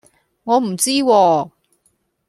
我唔知喎